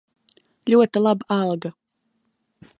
Ļoti laba alga.